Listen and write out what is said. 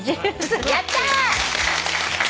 やった！